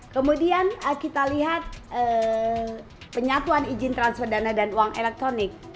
kemudian kita lihat penyatuan izin transfer dana dan uang elektronik